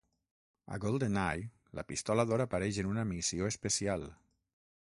A "Golden Eye", la pistola d'or apareix en una missió especial.